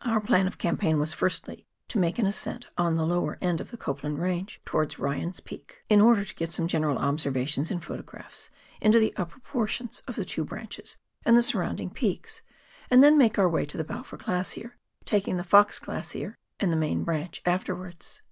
Our plan of campaign was, firstly, to make an ascent on the lower end of the Copland Range towards Ryan's Peak, in 8G PIONEER WORK IN THE ALPS OF NEW ZEALAND. order to get some general observations and photograplis, into the upper portions of the two branches and the surrounding peaks, and then make our way to the Balfour Glacier, taking the Fox Glacier and the main branch afterwards.